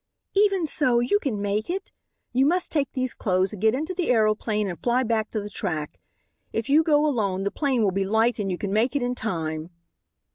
"Even so you can make it. You must take these clothes, get into the aeroplane and fly back to the track. If you go alone the 'plane will be light and you can make it in time."